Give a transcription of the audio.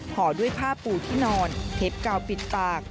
ห่อด้วยผ้าปูที่นอนเทปกาวปิดปาก